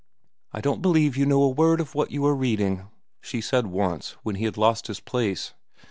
"I don't believe you know a word of what you are reading," she said once when he had lost his place.